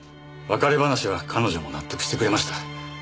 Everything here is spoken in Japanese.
別れ話は彼女も納得してくれました。